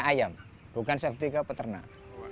ayam bukan safety ke peternak